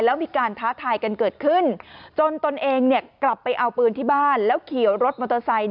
แล้วมีการท้าทายกันเกิดขึ้นจนตนเองกลับไปเอาปืนที่บ้านแล้วขี่รถมอเตอร์ไซค์